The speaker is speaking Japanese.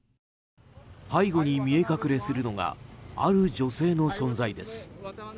背後に見え隠れするのがある女性の存在です。